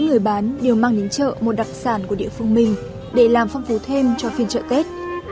người bán đều mang đến chợ một đặc sản của địa phương mình để làm phong phú thêm cho phiên chợ tết